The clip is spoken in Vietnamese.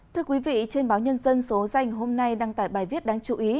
thưa quý vị trên báo nhân dân số danh hôm nay đăng tải bài viết đáng chú ý